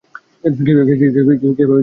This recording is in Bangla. কিভাবে জানবো রান্নাঘর কোনটা?